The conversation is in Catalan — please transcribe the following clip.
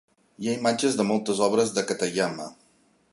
Hi ha imatges de moltes obres de Katayama.